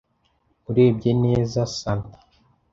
Urebye neza 'Santa